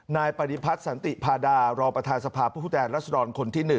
นายปฏิพัฒน์สันติพาดารองประธานสภาพผู้แทนรัศดรคนที่๑